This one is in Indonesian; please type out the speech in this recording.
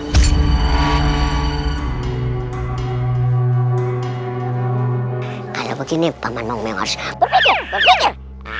kalau begini paman om yang harus berpikir pikir